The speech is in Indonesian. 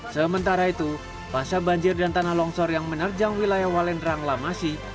sementara itu pasca banjir dan tanah longsor yang menerjang wilayah walendrang lamasi